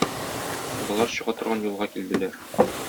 Болар чыга торган юлга килделәр.